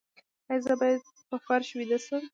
ایا زه باید په فرش ویده شم؟